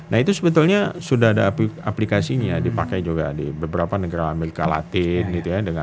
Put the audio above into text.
nah itu sebetulnya sudah ada aplikasinya dipakai juga di beberapa negara amerika latin gitu ya